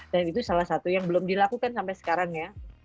dan itu salah satu yang belum dilakukan sampai sekarang